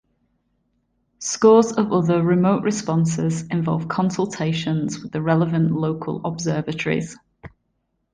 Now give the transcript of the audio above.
Scores of other remote responses involve consultations with the relevant local observatories.